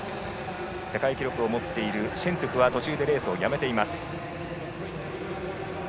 世界記録を持つシェントゥフは途中でレースをやめています。